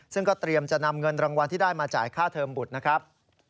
ซึ่งก็เตรียมจะนำเงินรางวัลที่ได้มาจ่ายค่าเทอมบุตรนะครับ